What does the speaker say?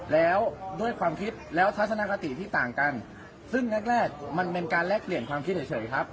แล้วด้วยความคิดแล้วทัศนคติที่ต่างกันซึ่งแรกแรกมันเป็นการแลกเปลี่ยนความคิดเฉยครับ